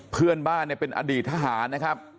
เพื่อนบ้านเนี่ยเป็นอดีตทหารนะครับ